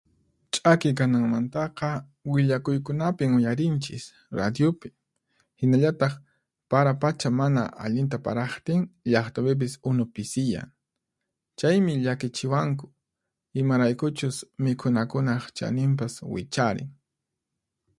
Ch'aki kananmantaqa willakuykunapin uyarinchis, radiyupi. Hinallataq, para pacha mana allinta paraqtin, llaqtapipis unu pisiyan. Chaymi llakichiwanku, imaraykuchus mikhunakunaq chaninpas wicharin.